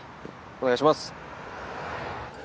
お願いします。